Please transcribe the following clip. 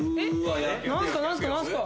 何すか？